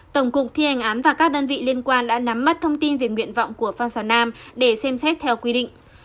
tổng cục thi hành án và các đơn vị liên quan đã nắm mắt thông tin về nguyện vọng của phan xào nam để xem xét theo quy định